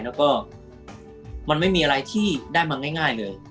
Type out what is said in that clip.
แล้วก็มันไม่มีอะไรที่ได้มาง่ายเลย